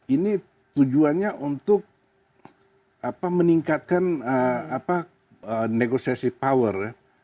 ini tujuannya untuk meningkatkan negosiasi power ya